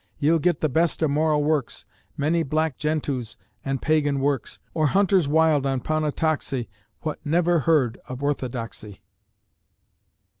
Ye'll get the best o' moral works, Many black gentoos and pagan works, Or hunters wild on Ponotaxi Wha never heard of orthodoxy.